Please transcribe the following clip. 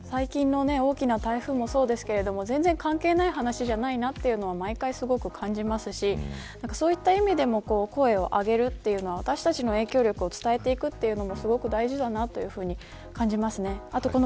最近の大きな台風もそうですが全然関係ない話じゃないなというのは毎回、すごく感じますしそういった意味でも、声を上げるということ、私たちの影響力を伝えていくというのもすごく大事だと感じます。